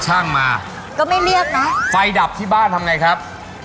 โชคความแม่นแทนนุ่มในศึกที่๒กันแล้วล่ะครับ